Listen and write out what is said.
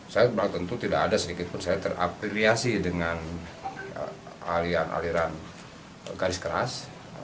saya tentu tidak ada sedikitpun saya terapiliasi dengan aliran aliran garis keras